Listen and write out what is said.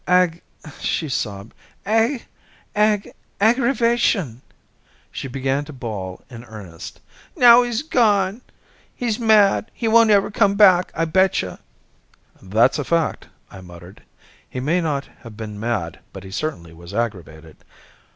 "Agg " she sobbed, "agg agg aggravation." She began to bawl in earnest. "Now he's gone. He's mad. He won't ever come back, I betcha." "That's a fact," I muttered. "He may not have been mad, but he certainly was aggravated.